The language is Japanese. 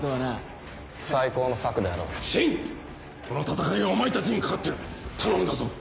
この戦いはお前たちに懸かっている頼んだぞ。